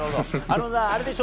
あれでしょ？